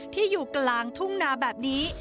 ที่อยู่กลางทุ่งนาแบบนี้